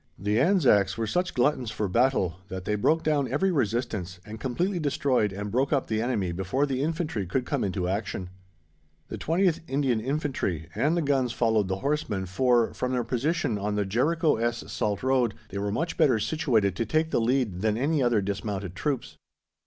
The Anzacs were such gluttons for battle that they broke down every resistance and completely destroyed and broke up the enemy before the Infantry could come into action. The 20th Indian Infantry and the guns followed the horsemen, for, from their position on the Jericho Es Salt road, they were much better situated to take the lead than any other dismounted troops.